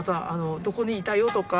どこにいたよとか。